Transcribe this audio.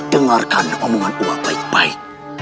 dengarkan omongan uang baik baik